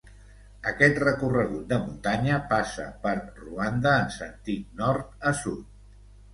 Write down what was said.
Aquest recorregut de muntanya passa per Ruanda en sentit nord a sud.